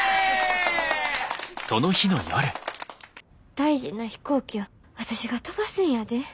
大事な飛行機を私が飛ばすんやで。